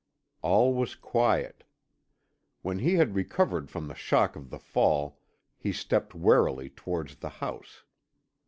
All was quiet. When he had recovered from the shock of the fall, he stepped warily towards the house.